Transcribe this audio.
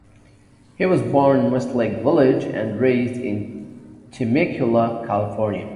He was born in Westlake Village and raised in Temecula, California.